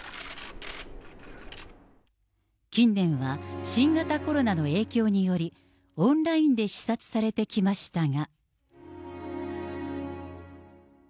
近年は新型コロナの影響により、オンラインで視察されてきましたが。